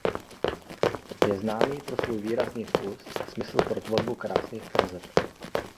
Je známý pro svůj výrazný vkus a smysl pro tvorbu krásných kreseb.